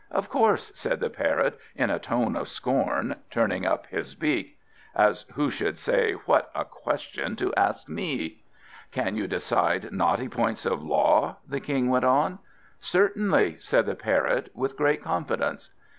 "Of course," said the Parrot, in a tone of scorn, turning up his beak; as who should say, "What a question to ask me." "Can you decide knotty points of law?" the King went on. "Certainly," said the Parrot, with great confidence.